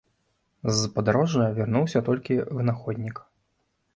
З падарожжа вярнуўся толькі вынаходнік.